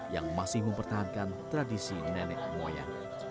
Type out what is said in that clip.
yang masih mempertahankan tradisi nenek moyang